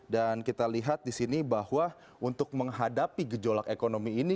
dan kita lihat di sini bahwa untuk menghadapi gejolak ekonomi ini